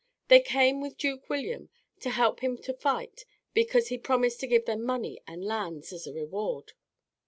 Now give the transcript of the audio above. They came with Duke William to help him to fight because he promised to give them money and lands as a reward.